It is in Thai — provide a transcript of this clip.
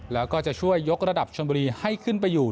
แล้วก็จะช่วยยกระดับชนบุรีให้ขึ้นไปอยู่